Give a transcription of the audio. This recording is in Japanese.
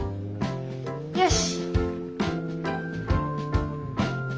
よし！